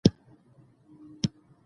تالابونه د افغانستان د جغرافیې بېلګه ده.